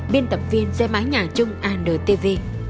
biên tập viên dây mái nhà chung antv